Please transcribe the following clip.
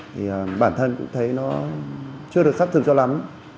thì bản thân cũng thấy nó chưa được xác thực cho lắm